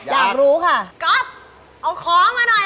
อยากรู้ค่ะก๊อฟเอาของมาหน่อย